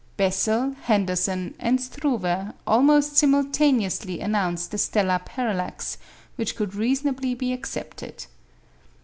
Bessel, Henderson, and Struve almost simultaneously announced a stellar parallax which could reasonably be accepted.